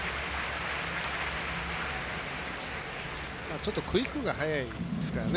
ちょっとクイックが速いですからね。